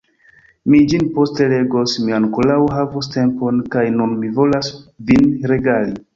Mi ĝin poste legos, mi ankoraŭ havos tempon, kaj nun mi volas vin regali.